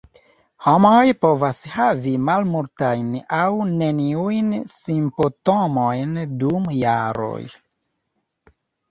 Homoj povas havi malmultajn aŭ neniujn simptomojn dum jaroj.